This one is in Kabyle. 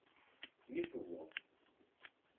Mi tewweḍ.